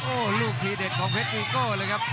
โอ้โหลูกทีเด็ดของเพชรอูโก้เลยครับ